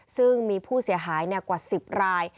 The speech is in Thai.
ซึ่งมีผู้เสียหายกว่า๑๐ราย